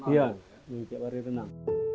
ya dia berenang